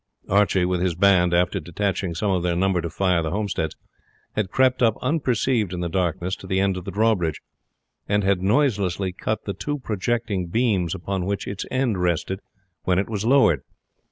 Archie, with his band, after detaching some of their number to fire the homesteads, had crept up unperceived in the darkness to the end of the drawbridge, and had noiselessly cut the two projecting beams upon which its end rested when it was lowered.